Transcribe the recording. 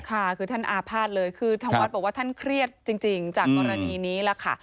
ค่ะคือท่านอาภาษณ์เลยคือทางวัดบอกว่าท่านเครียดจริงจากกรณีนี้ล่ะค่ะ